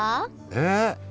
えっ？